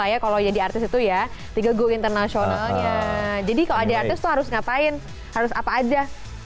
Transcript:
ya kalau jadi artis itu ya tiga go internasionalnya jadi kalau ada artis tuh harus ngapain harus apa aja